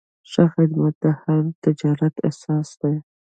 ښه خدمت د هر تجارت اساس دی.